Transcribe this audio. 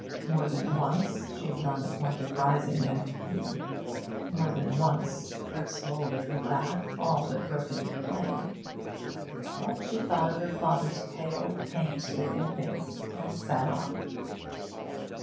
More than once she was on the point of rising and fleeing; more than once her smouldering wrath all but broke into flame. But she thought of her father's pale, pain stricken face, and sat on.